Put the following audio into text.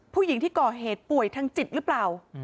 ผู้หญิงที่ก่อเหตุป่วยทางจิตหรือเปล่า